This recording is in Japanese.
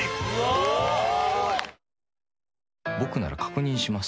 僕なら確認します。